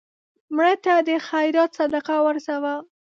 مړه ته د خیرات صدقه ورسوه